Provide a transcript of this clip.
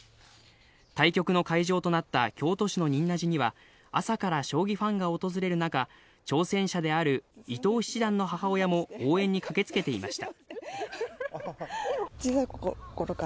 対局の会場となった京都市の仁和寺には朝から将棋ファンが訪れる中、挑戦者である伊藤七段の母親も応援に駆けつけていました。